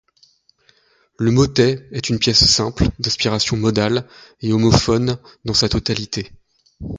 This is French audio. Le motet est une pièce simple, d'inspiration modale et homophone dans sa totalité.